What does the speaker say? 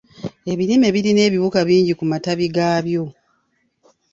Ebirime birina ebiwuka bingi ku matabi gaabyo.